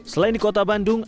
selain di kota bandung